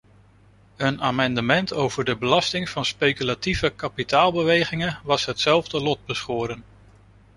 Een amendement over de belasting van speculatieve kapitaalbewegingen was hetzelfde lot beschoren.